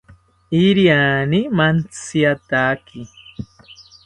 Iriani mantziataki